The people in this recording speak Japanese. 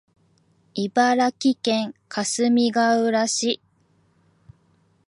茨城県かすみがうら市